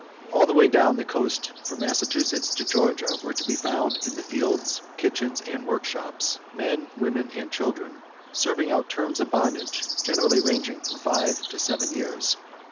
All the way down the coast from Massachusetts to Georgia were to be found in the fields, kitchens, and workshops, men, women, and children serving out terms of bondage generally ranging from five to seven years.